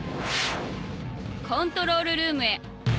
コントロールルームへ